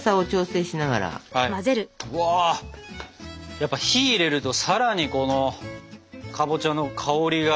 やっぱ火入れるとさらにこのかぼちゃの香りが。